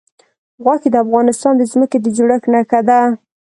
غوښې د افغانستان د ځمکې د جوړښت نښه ده.